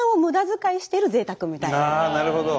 ああなるほど。